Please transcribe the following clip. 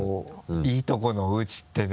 いいとこのおうちってね。